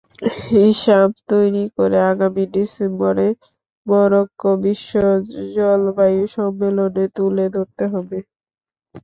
হিসাব তৈরি করে আগামী ডিসেম্বরে মরক্কো বিশ্ব জলবায়ু সম্মেলনে তুলে ধরতে হবে।